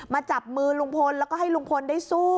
จับมือลุงพลแล้วก็ให้ลุงพลได้สู้